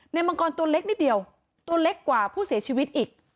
มังกรตัวเล็กนิดเดียวตัวเล็กกว่าผู้เสียชีวิตอีก